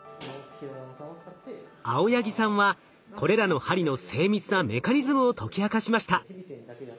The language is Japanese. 青柳さんはこれらの針の精密なメカニズムを解き明かしました。